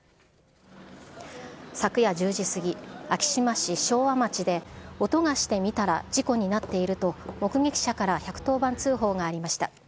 昨夜１０時過ぎ、昭島市昭和町で、音がして見たら、事故になっていると、目撃者から１１０番通報がありました。